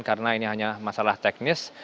karena ini hanya masalah teknis